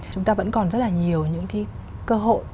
chúng ta vẫn còn rất là nhiều những cái cơ hội